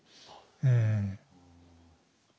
うん。